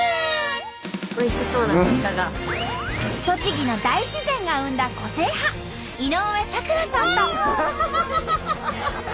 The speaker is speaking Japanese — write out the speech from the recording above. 栃木の大自然が生んだ個性派井上咲楽さんと。